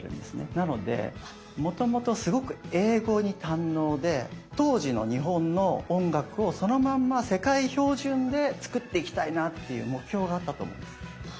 なのでもともとすごく英語に堪能で当時の日本の音楽をそのまんま世界標準で作っていきたいなっていう目標があったと思うんです。